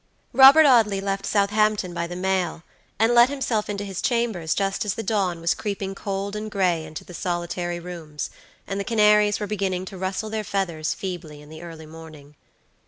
Robert Audley left Southampton by the mail, and let himself into his chambers just as the dawn was creeping cold and gray into the solitary rooms, and the canaries were beginning to rustle their feathers feebly in the early morning.